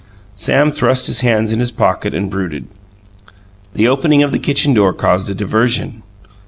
Sam thrust his hands in his pockets and brooded. The opening of the kitchen door caused a diversion.